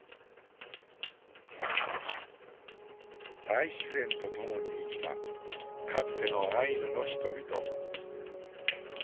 大自然とともに生きたかつてのアイヌの人々。